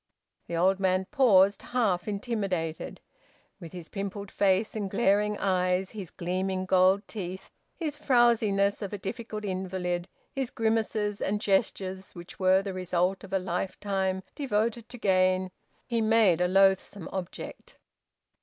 The old man paused, half intimidated. With his pimpled face and glaring eyes, his gleaming gold teeth, his frowziness of a difficult invalid, his grimaces and gestures which were the result of a lifetime devoted to gain, he made a loathsome object.